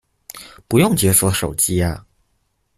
不用解鎖手機啊